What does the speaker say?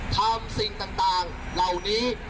สิ่งต่างเหล่านี้